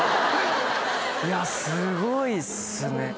いやすごいっすね。